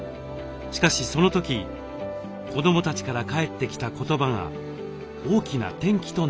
しかしその時子どもたちから返ってきた言葉が大きな転機となりました。